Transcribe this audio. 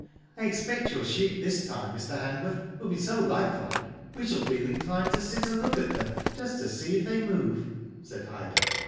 " I expect your sheep this time, Mr. Hanworth, will be so life like, we shall feel inclined to sit and look at them, just to see if they move," said Ida.